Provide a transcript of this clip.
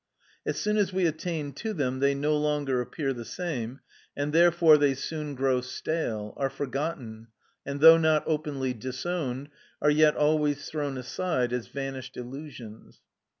As soon as we attain to them they no longer appear the same, and therefore they soon grow stale, are forgotten, and though not openly disowned, are yet always thrown aside as vanished illusions.